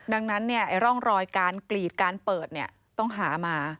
ดังนั้นร่องรอยการกรีดการเปิดต้องหามา